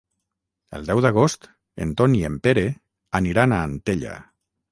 El deu d'agost en Ton i en Pere aniran a Antella.